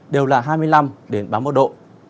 đều là hai mươi năm đến ba mươi một độ